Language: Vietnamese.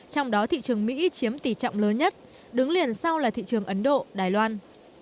trong đó thị trường mỹ chiếm tỷ trọng lớn nhất đứng liền sau là thị trường ấn độ đài loan